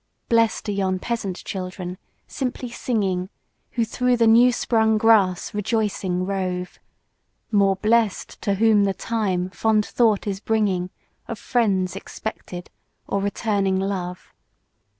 Bless'd are yon peasant children, simply singing, Who through the new sprung grass rejoicing rove; More bless'd! to whom the time , fond thought is bringing, Of friends expected, or returning love.